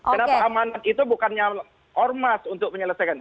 kenapa amanat itu bukannya ormas untuk menyelesaikan